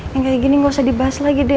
yang kayak gini nggak usah dibahas lagi deh